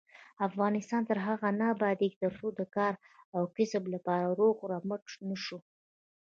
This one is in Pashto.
افغانستان تر هغو نه ابادیږي، ترڅو د کار او کسب لپاره روغ رمټ نشو.